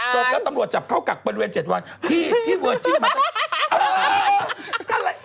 จบแล้วตำรวจจับเข้ากักประเทศวัน๗วันพี่เวอร์จิมมั้งตั้ง